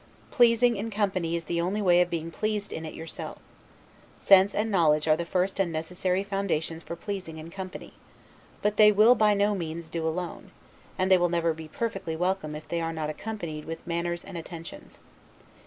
Pleasing in company is the only way of being pleased in it yourself. Sense and knowledge are the first and necessary foundations for pleasing in company; but they will by no means do alone, and they will never be perfectly welcome if they are not accompanied with manners and attentions.